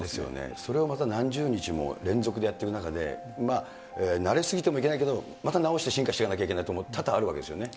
それをまた何十日も連続でやってる中で、慣れ過ぎてもいけないけど、また直して進化していかなきゃいけないとこも多々あるわけですよ